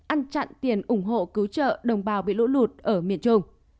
ăn chặn tiền ủng hộ cứu trợ đồng bào bị lũ lụt ở miền trung